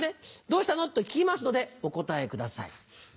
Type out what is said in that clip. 「どうしたの？」と聞きますのでお答えください。